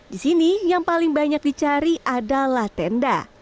di sini yang paling banyak dicari adalah tenda